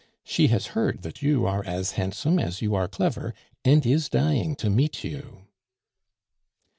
She has heard that you are as handsome as you are clever, and is dying to meet you."